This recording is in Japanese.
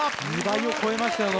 ２倍を超えましたよ